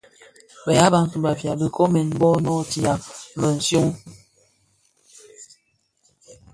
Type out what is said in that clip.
Bë yaa Bantu (Bafia) dhinkonèn bō noo nootia mëshyom.